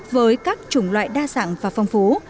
với các chủng loại đa sẵn và phong phú